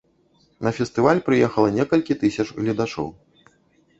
На фестываль прыехала некалькі тысяч гледачоў.